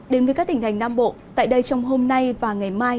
đến với các tỉnh thành nam bộ tại đây trong hôm nay và ngày mai